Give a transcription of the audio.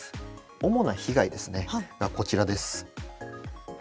主な被害ですねこちらです。